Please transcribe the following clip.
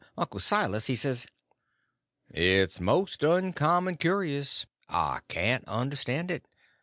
Uncle Silas he says: "It's most uncommon curious, I can't understand it.